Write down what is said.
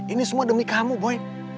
ini semua demi kamu boy